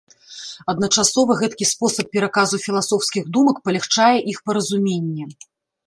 Адначасова гэткі спосаб пераказу філасофскіх думак палягчае іх паразуменне.